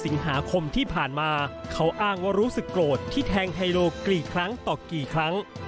สิงหาคมที่ผ่านมาเขาอ้างว่ารู้สึกโกรธที่แทงไฮโลกี่ครั้งต่อกี่ครั้ง